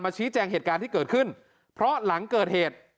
ชี้แจงเหตุการณ์ที่เกิดขึ้นเพราะหลังเกิดเหตุ